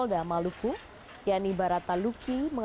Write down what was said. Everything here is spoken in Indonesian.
dan brimop beriagresi n